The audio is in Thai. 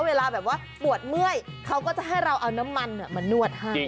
เวลาแบบว่าปวดเมื่อยเขาก็จะให้เราเอาน้ำมันมานวดให้